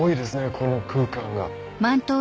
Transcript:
この空間が。